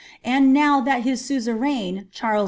and now that his suzerain, Charles VI.